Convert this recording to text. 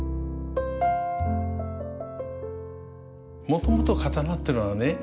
もともと刀ってのはね